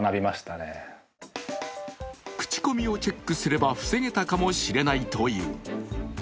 口コミをチェックすれば防げたかもしれないという。